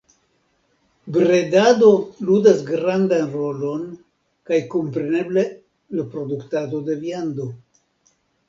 Bredado ludas grandan rolon, kaj kompreneble la produktado de viando.